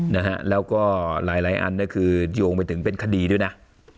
นะฮะแล้วก็หลายหลายอันก็คือโยงไปถึงเป็นคดีด้วยนะ